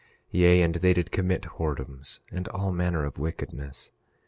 Yea, and they did commit whoredoms and all manner of wickedness.